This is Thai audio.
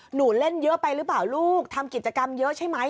หนูเล่นเยอะไปหรือเปล่าลูกทำกิจกรรมเยอะใช่ไหม